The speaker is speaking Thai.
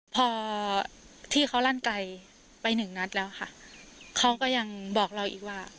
พอที่เขาลั่นไกลไปหนึ่งนัดแล้วค่ะเขาก็ยังบอกเราอีกว่า